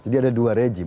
jadi ada dua rejim